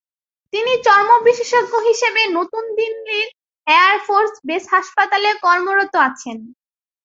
তিনি চর্ম-বিশেষজ্ঞ হিসাবে নতুন দিল্লির এয়ার ফোর্স বেস হাসপাতালে কর্মরত আছেন।